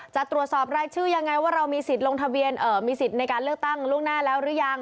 จะตรวจสอบรายชื่อยังไงว่าเรามีสิทธิ์ลงทะเบียนมีสิทธิ์ในการเลือกตั้งล่วงหน้าแล้วหรือยัง